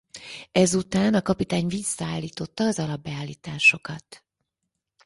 Ezután a kapitány visszaállította az alap beállításokat.